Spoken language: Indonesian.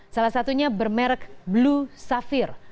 salah satunya bermerek blue safir